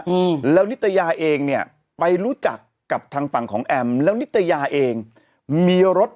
อืมแล้วนิตยาเองเนี่ยไปรู้จักกับทางฝั่งของแอมแล้วนิตยาเองมีรถ